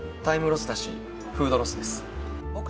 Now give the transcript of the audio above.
タイムロスだしフードロスです。